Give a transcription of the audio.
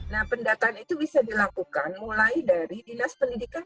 nah pendataan itu bisa dilakukan mulai dari dinas pendidikan